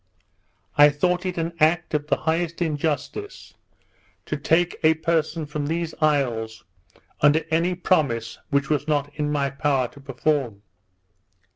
I thought it an act of the highest injustice to take a person from these isles, under any promise which was not in my power to perform.